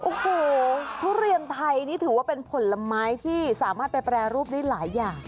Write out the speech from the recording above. โอ้โหทุเรียนไทยนี่ถือว่าเป็นผลไม้ที่สามารถไปแปรรูปได้หลายอย่าง